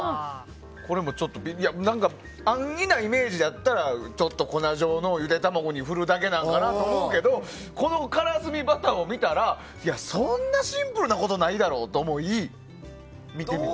安易なイメージだったら粉状のをゆで卵に振るだけかなと思うけどこのからすみバターを見たらそんなシンプルなことないだろうと思い、見てみたい。